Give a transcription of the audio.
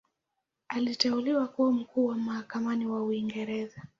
Aliteuliwa kuwa Mkuu wa Mahakama wa Uingereza.